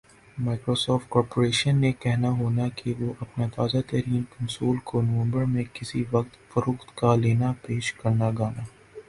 Microsoft corporation نے کہنا ہونا کہ وُہ اپنا تازہ ترین کنسول کو نومبر میں کِسی وقت فروخت کا لینا پیش کرنا گانا